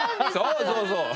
そうそうそう。